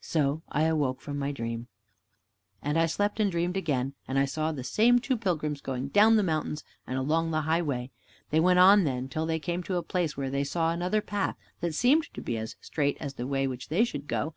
So I awoke from my dream. And I slept and dreamed again, and I saw the same two pilgrims going down the mountains and along the highway. They went on then till they came to a place where they saw another path that seemed to be as straight as the way which they should go.